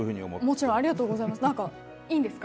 もちろんありがとうございます。